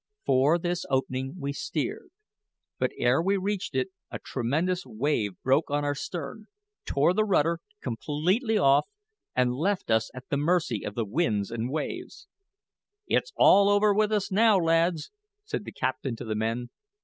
For this opening we steered; but ere we reached it a tremendous wave broke on our stern, tore the rudder completely off, and left us at the mercy of the winds and waves. "It's all over with us now, lads!" said the captain to the men.